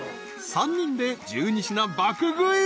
［３人で１２品爆食い。